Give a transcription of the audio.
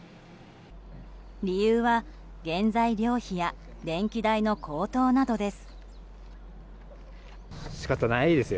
理由は、原材料費や電気代の高騰などです。